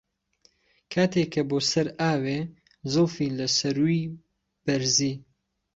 کاتێ کە بۆ سەر ئاوێ، زولفی لە سەرووی بەرزی